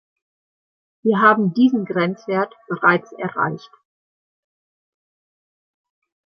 Wir haben diesen Grenzwert bereits erreicht.